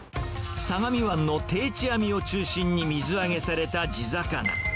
相模湾の定置網を中心に水揚げされた地魚。